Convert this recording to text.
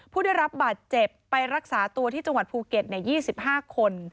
ผู้ได้รับบาดเจ็บไปรักษาตัวที่จังหวัดภูเก็ต๒๕คน